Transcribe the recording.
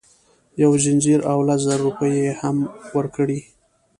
یو ځنځیر او لس زره روپۍ یې هم ورکړې.